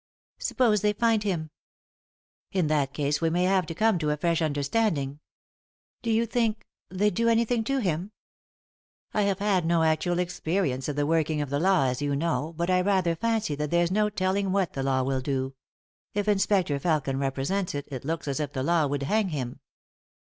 " Suppose they find him ?"" In that case we may have to come to a fresh understanding." " Do you think — they'd do anything to him ?"" I have had no actual experience of the working of the law, as you know, but I rather fancy that there's no telling what the law will do. If Inspector Felkin represents it, it looks as if the law would hang him."